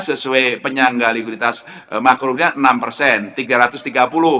sesuai penyangga likiditas makro